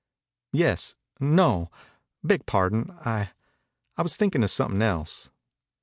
"Yes no. Beg pardon, I I was thinking of something else."